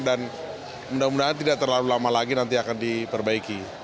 dan mudah mudahan tidak terlalu lama lagi nanti akan diperbaiki